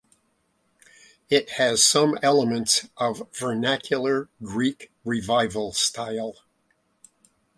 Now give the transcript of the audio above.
It has some elements of vernacular Greek Revival style.